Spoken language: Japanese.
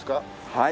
はい。